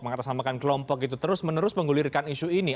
mengatasamakan kelompok itu terus menerus menggulirkan isu ini